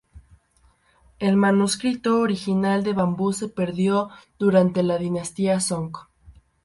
El manuscrito original de bambú se perdió durante la dinastía Song.